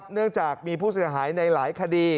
เนื่องจากมีผู้เสียหายในหลายคดี